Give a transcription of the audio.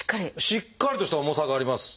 しっかりとした重さがあります。